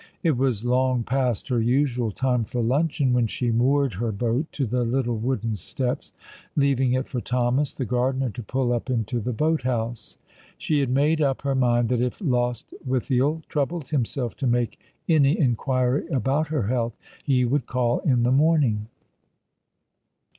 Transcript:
It was long past her usual time for luncheon when she moored her boat to the little wooden steps, leaving it for Thomas, the gardener, to pull up into the boat house. She had made up her mind that if Lostwithiel troubled himself to make any inquiry about her health he would call in the morning.